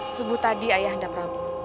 subuh tadi ayahanda prabu